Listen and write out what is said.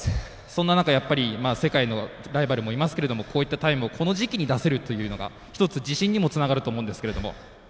そんな中、世界のライバルもいますけどこういったタイムをこの時期に出せるというのが一つ、自信にもつながると思うんですけれども。